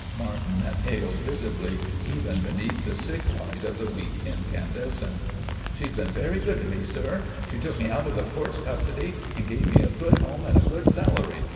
Martin paled, visibly, even beneath the sick light of the weak incandescent. "She has been very good to me, sir. She took me out of the court's custody and gave me a good home and a good salary.